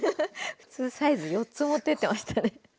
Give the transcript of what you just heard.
普通サイズ４つ持ってってましたね。